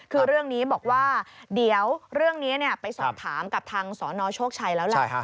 คือเรื่องนี้บอกว่าเดี๋ยวเรื่องนี้ไปสอบถามกับทางสนโชคชัยแล้วแหละ